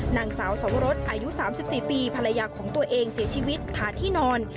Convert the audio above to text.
นางสาวสมรสอายุ๓๔ปีภรรยาของตัวเองเสียชีวิตขาที่นอน